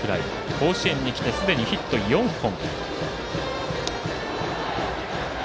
甲子園にきて、すでにヒット４本。